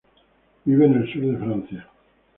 Vive en el sur de Francia.